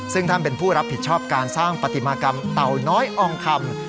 ซึ่งท่านเป็นผู้รับผิดชอบการสร้างปฏิมากรรมเต่าน้อยอองคำ